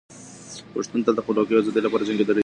پښتون تل د خپلواکۍ او ازادۍ لپاره جنګېدلی دی.